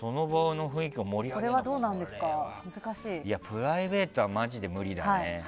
プライベートはマジで無理だね。